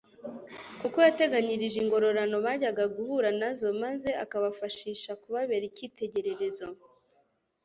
kuko yateganyirije ingorane bajyaga guhura nazo, maze akabafashisha kubabera icyitegererezo.